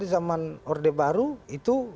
bahwasanya dulu gerakan mahasiswa itu